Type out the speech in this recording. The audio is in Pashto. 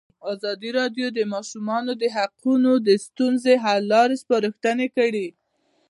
ازادي راډیو د د ماشومانو حقونه د ستونزو حل لارې سپارښتنې کړي.